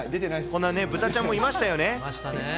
こんな豚ちゃんもいましたよね。